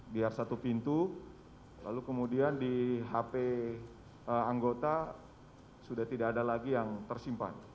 biar satu pintu lalu kemudian di hp anggota sudah tidak ada lagi yang tersimpan